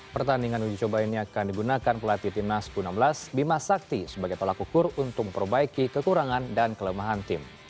pertandingan uji coba ini akan digunakan pelatih timnas u enam belas bima sakti sebagai tolak ukur untuk memperbaiki kekurangan dan kelemahan tim